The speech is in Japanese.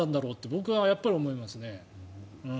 僕はやっぱり思いますね。